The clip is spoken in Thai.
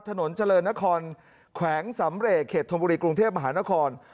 ถนนเจริญนครแขวงสำเรกเขตธมบุรีกรุงเทพมหานคร